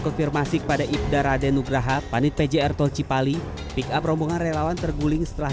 konfirmasi kepada ipdaradenugraha panit pjr tol cipali pickup rombongan relawan terguling setelah